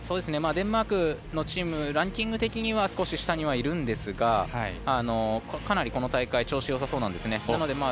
デンマークのチームランキング的には少し下にいるんですがかなりこの大会調子がよさそうなんですね。